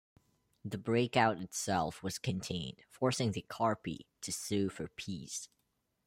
The breakout itself was contained, forcing the Carpi to sue for peace.